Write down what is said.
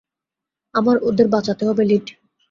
আমার ওদের বাঁচাতে হবে, লিড!